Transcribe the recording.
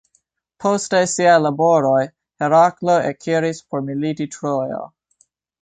Poste siaj laboroj, Heraklo ekiris por militi Trojo.